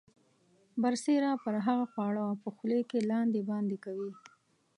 برسیره پر هغه خواړه په خولې کې لاندې باندې کوي.